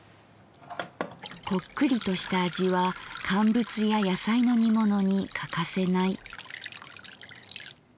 「こっくりとした味は乾物や野菜の煮物に欠かせない」。